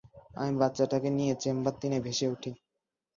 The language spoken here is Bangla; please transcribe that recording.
আমি বাচ্চাটাকে নিয়ে চেম্বার তিনে ভেসে উঠি।